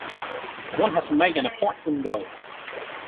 One has to make an appointment, though.